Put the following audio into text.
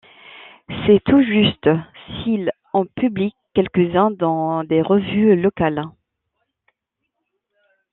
C'est tout juste s’il en publie quelques-uns dans des revues locales.